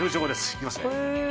いきますね。